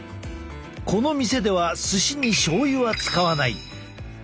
この店では寿司にしょう油は使わない。